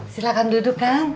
silahkan duduk kang